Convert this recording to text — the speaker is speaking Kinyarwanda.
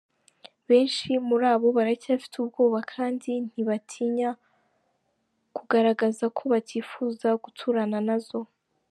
Benshi muri bo baracyafite ubwoba kandi ntibatinya kugaragaza ko batifuza guturana nazo.